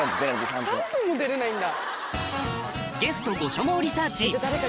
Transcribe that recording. ３分も出れないんだ。